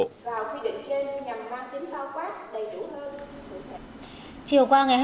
và quy định trên nhằm mang tiếng phao quát đầy đủ hơn